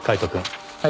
はい。